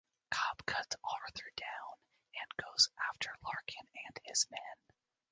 Cobb cuts Arthur down and goes after Larkin and his men.